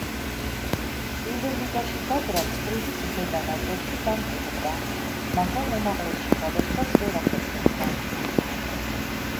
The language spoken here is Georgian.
პირველ ლიგაში გაგრა ცხრილის ზედა ნაწილში დამკვიდრდა, მაგრამ უმაღლესში გადასვლას ვერ ახერხებდა.